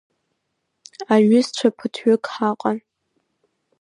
Аҩызцәа ԥыҭҩык ҳаҟан.